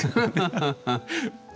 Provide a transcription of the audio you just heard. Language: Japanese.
ハハハハハ。